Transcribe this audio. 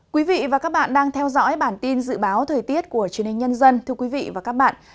quý vị và các bạn đang theo dõi bản tin dự báo thời tiết của truyền hình nhân dân